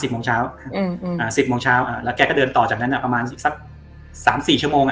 ๑๐โมงเช้าแล้วแกก็เดินต่อจากนั้นประมาณสัก๓๔ชั่วโมง